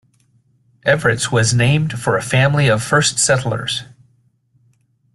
Everetts was named for a family of first settlers.